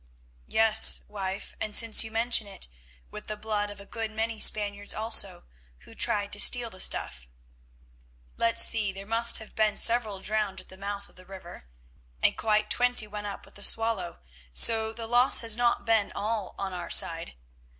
"Yes, wife, and since you mention it, with the blood of a good many Spaniards also, who tried to steal the stuff. Let's see; there must have been several drowned at the mouth of the river, and quite twenty went up with the Swallow, so the loss has not been all on our side.